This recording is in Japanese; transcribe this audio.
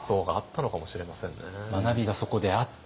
学びがそこであって。